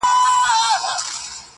پۀ ماسومتوب كې بۀ چي خپلې مور هغه وهله,